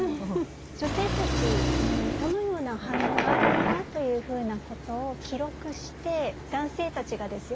女性たちにどのような反応があるのかというふうなことを記録して男性たちがですよ